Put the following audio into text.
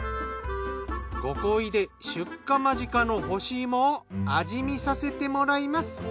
ご厚意で出荷間近の干し芋を味見させてもらいます。